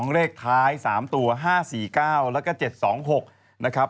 เลขท้าย๓ตัว๕๔๙แล้วก็๗๒๖นะครับ